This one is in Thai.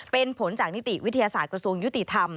เป็นผลจากนิติวิทยาศาสตร์กระทรวงยุติธรรม